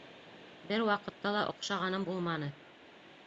Бер ваҡытта ла оҡшағаным булманы.